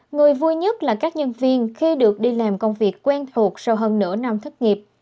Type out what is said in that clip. người vui nhất là các nhân viên khi được đi làm công việc quen thuộc sau hơn nửa năm thất nghiệp